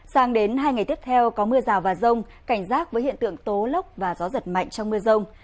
sang đến hai ngày tiếp theo có mưa rào và rông cảnh giác với hiện tượng tố lốc và gió giật mạnh trong mưa rông